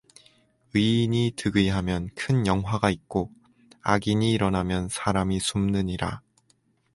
의인이 득의하면 큰 영화가 있고 악인이 일어나면 사람이 숨느니라